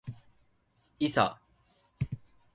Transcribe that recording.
いさ